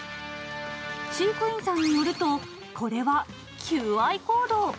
飼育員さんによると、これは求愛行動。